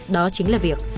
đó chính là việc